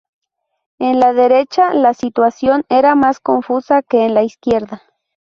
En la derecha la situación era más confusa que en la izquierda.